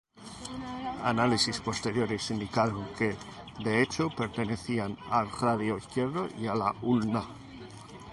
Análisis posteriores indicaron que de hecho pertenecían al radio izquierdo y a la ulna.